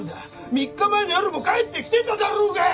３日前の夜も帰ってきてただろうが！